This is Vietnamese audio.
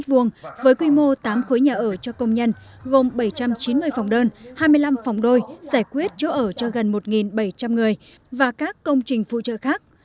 với quy mô tám khối nhà ở cho công nhân gồm bảy trăm chín mươi phòng đơn hai mươi năm phòng đôi giải quyết chỗ ở cho gần một bảy trăm linh người và các công trình phụ trợ khác